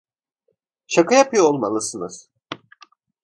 Şaka yapıyor olmalısınız!